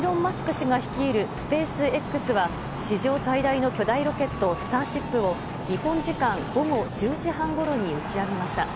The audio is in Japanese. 氏が率いるスペースＸは史上最大の巨大ロケット「スターシップ」を日本時間午後１０時半ごろに打ち上げました。